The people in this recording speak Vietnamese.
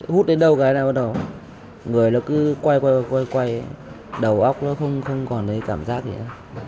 hút đến đầu cái nào bắt đầu người nó cứ quay quay quay quay đầu óc nó không còn cái cảm giác gì nữa